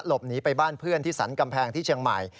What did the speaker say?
หลบหนีไปบ้านเพื่อนที่สรรกำแพงที่เชียงใหม่